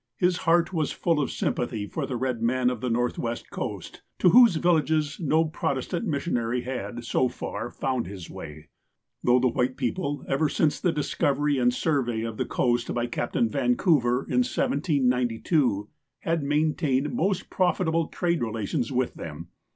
His heart was full of sympathy for the red men of the Northwest coast, to whose villages no Protestant mission ary had, so far, found his way, though the white people, ever since the discovery and survey of the coast by Captain Vancouver, in 1792, had maintained most profitable trade relations with them.